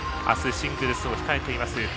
あすシングルスを控えています